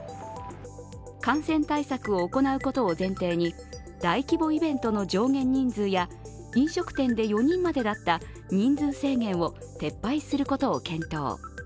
感染対策を行うことを前提に大規模イベントの上限人数や飲食店で４人までだった人数制限を撤廃することを検討。